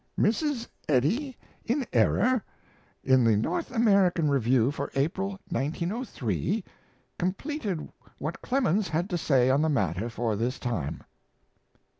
"Mrs. Eddy in Error," in the North American Review for April, 1903, completed what Clemens had to say on the matter for this time.